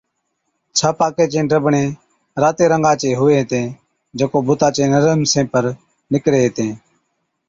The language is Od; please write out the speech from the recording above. ڇاپاڪي چين ڊٻڙين راتي رنگا چي هُوي هِتين، جڪو بُتا چي نرم حِصي پر نِڪري هِتين